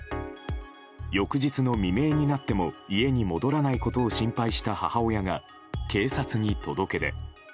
翌日の未明になっても家に戻らないことを心配した母親が警察に届け出。